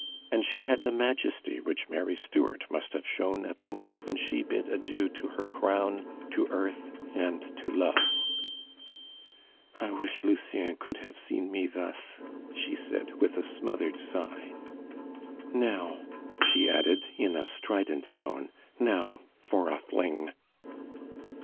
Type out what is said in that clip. And she had the majesty which Mary Stuart must have shown at the moment when she bid adieu to her crown, to earth, and to love. "I wish Lucien could have seen me thus!" she said with a smothered sigh. "Now," she added, in a strident tone, "now for a fling!"